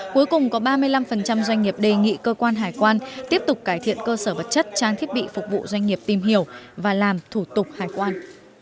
cuối cùng có ba mươi năm doanh nghiệp đề nghị cơ quan hải quan tiếp tục cải thiện cơ sở vật chất trang thiết bị phục vụ doanh nghiệp tìm hiểu và làm thủ tục hải quan